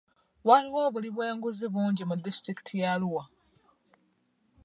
Waliwo obuli bw'enguzi bungi mu disitulikiti ya Arua.